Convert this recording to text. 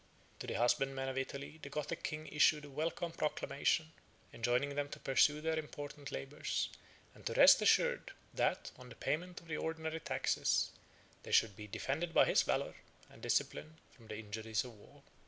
To the husbandmen of Italy the Gothic king issued a welcome proclamation, enjoining them to pursue their important labors, and to rest assured, that, on the payment of the ordinary taxes, they should be defended by his valor and discipline from the injuries of war.